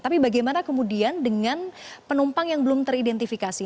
tapi bagaimana kemudian dengan penumpang yang belum teridentifikasi